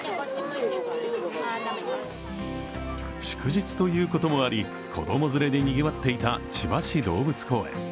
祝日ということもあり子供連れでにぎわっていた千葉市動物公園。